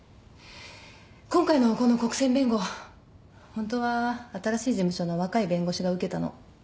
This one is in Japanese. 今回のこの国選弁護ホントは新しい事務所の若い弁護士が受けたの。